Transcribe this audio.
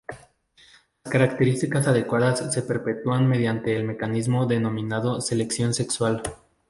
Las características adecuadas se perpetúan mediante el mecanismo denominado selección sexual.